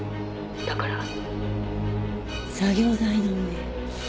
「だから」作業台の上。